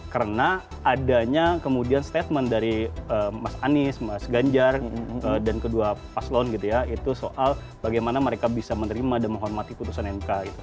karena adanya kemudian statement dari mas anies mas ganjar dan kedua paslon gitu ya itu soal bagaimana mereka bisa menerima dan menghormati putusan mk gitu